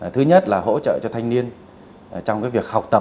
thứ nhất là hỗ trợ cho thanh niên trong việc học tập